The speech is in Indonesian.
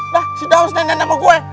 nah si daus neneknya mau gue